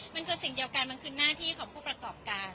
มันคือสิ่งเดียวกันมันคือหน้าที่ของผู้ประกอบการ